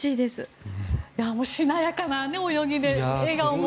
しなやかな泳ぎで笑顔も。